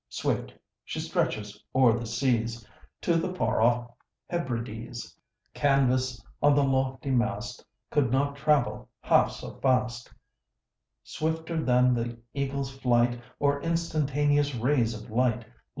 Swift, she stretches o'er the seas To the far off Hebrides, Canvas on the lofty mast Could not travel half so fast Swifter than the eagle's flight Or instantaneous rays of light!